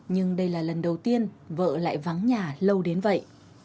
nhưng đây là lần đầu tiên vợ lại vắng nhà lâu đến vậy